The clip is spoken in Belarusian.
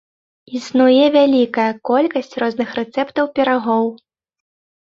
Існуе вялікая колькасць розных рэцэптаў пірагоў.